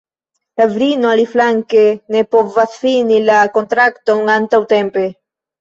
La virino aliflanke ne povas fini la kontrakton antaŭtempe.